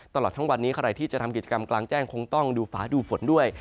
ตลอดทั้งวันนี้ใครที่จะทำกิจกรรมกลางแจ้งคงต้องดูฝาดูฝนด้วย